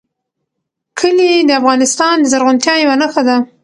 کلي د افغانستان د زرغونتیا یوه نښه ده.